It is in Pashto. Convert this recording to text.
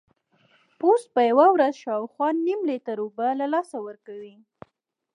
پوست په یوه ورځ شاوخوا نیم لیټر اوبه له لاسه ورکوي.